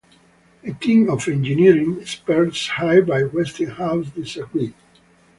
A team of engineering experts hired by Westinghouse disagreed...